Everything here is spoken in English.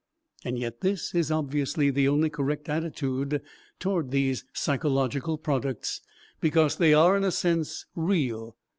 And yet this is obviously the only correct attitude toward these psychological products because they are, in a sense, real.